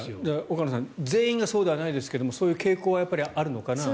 岡野さん全員がそうではないですがそういう傾向はやっぱりあるのかなと。